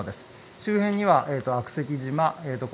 周辺には悪石島、小